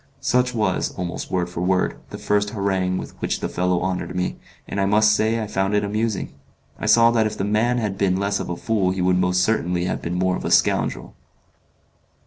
Such was, almost word for word, the first harangue with which the fellow honoured me, and I must say I found it amusing. I saw that if the man had been less of a fool he would most certainly have been more of a scoundrel.